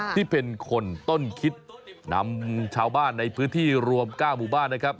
ที่เป็นคนต้นคิดนำชาวบ้านในพื้นที่รวม๙หมู่บ้านนะครับ